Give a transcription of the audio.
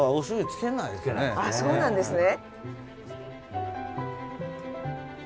ああそうなんですね。